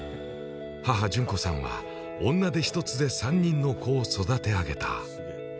母・淳子さんは、女手ひとつで３人の子を育て上げた。